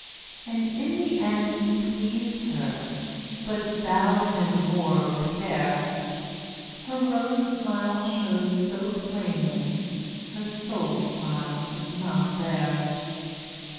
And in the end it pleased her, But bowed him more with care. Her rose smile showed so plainly, Her soul smile was not there.